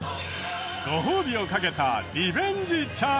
ご褒美をかけたリベンジチャンス。